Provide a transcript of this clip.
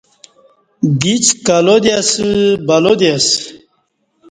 دِڅ کلا دی اسہ بلا دی اسہ